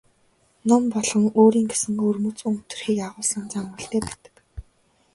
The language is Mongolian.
Ном болгон өөрийн гэсэн өвөрмөц өнгө төрхийг агуулсан зан үйлтэй байдаг.